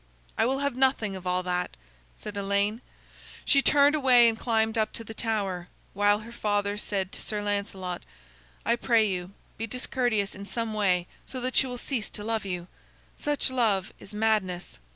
"I will have nothing of all that," said Elaine. She turned away and climbed up to the tower, while her father said to Sir Lancelot: "I pray you, be discourteous in some way so that she will cease to love you. Such love is madness."